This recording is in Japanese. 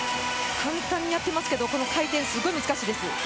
簡単にやってますけれど、この回転、すごく難しいです。